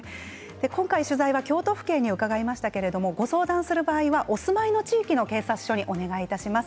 今回取材は京都府警に伺いましたけれども相談する場合はお住まいの地域の警察にお願いします。